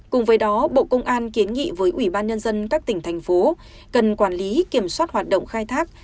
cùng với đó bộ công an kiến nghị với ủy ban nhân dân các tỉnh thành phố cần quản lý kiểm soát hoạt động khai thác